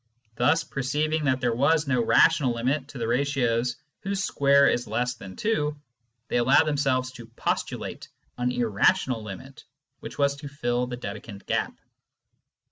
Thus, perceiving that there was no rational limit to the ratios whose square is less than 2, they allowed themselves to " postulate " an irrational limit, which was to fill the Dedekind gap.